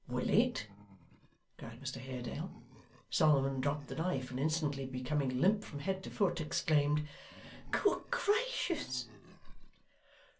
'Willet!' cried Mr Haredale. Solomon dropped the knife, and instantly becoming limp from head to foot, exclaimed 'Good gracious!